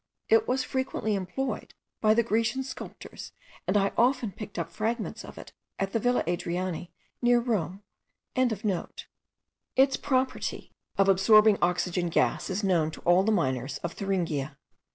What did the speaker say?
It was frequently employed by the Grecian sculptors, and I often picked up fragments of it at the Villa Adriani, near Rome.) Its property of absorbing oxygen gas is known to all the miners of Thuringia.